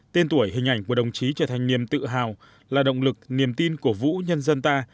tên tuổi hình ảnh của đồng chí trở thành niềm tự hào là động lực niềm tin của vũ nhân dân ta